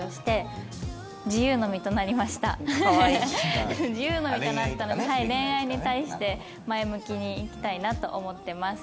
自由の身となったので恋愛に対して前向きにいきたいなと思ってます。